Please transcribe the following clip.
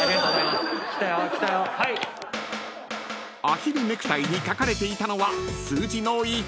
［アヒルネクタイに書かれていたのは数字の１］